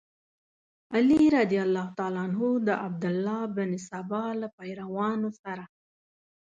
علي رض د عبدالله بن سبا له پیروانو سره.